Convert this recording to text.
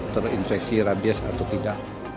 terinfeksi rabies atau tidak